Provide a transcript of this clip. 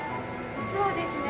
実はですね